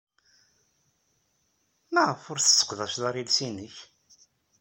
Maɣef ur tesseqdaceḍ iles-nnek?